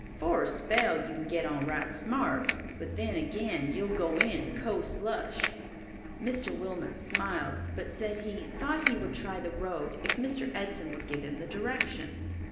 For a spell you can get on right smart, but then, again, you'll go in co slush!" Mr. Wilmot smiled, but said he "thought he would try the road if Mr. Edson would give him the direction."